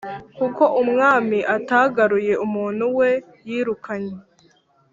kuko umwami atagaruye umuntu we yirukanye.